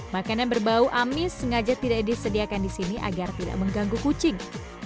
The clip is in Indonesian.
makanan berbau amis sengaja tidak disediakan di sini agar tidak mengganggu kucing